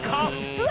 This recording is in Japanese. うわ！